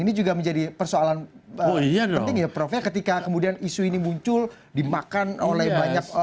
ini juga menjadi persoalan penting ya prof ya ketika kemudian isu ini muncul dimakan oleh banyak orang